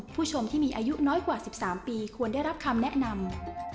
ผู้ชมที่มีอายุน้อยกว่า๑๓ปีควรได้รับคำแนะนำ